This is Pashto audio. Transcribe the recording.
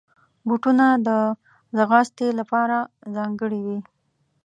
بوټونه د ځغاستې لپاره ځانګړي وي.